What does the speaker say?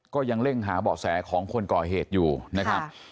ก็ยังเร่งหาเบาะแสของคนก่อเหตุอยู่นะครับ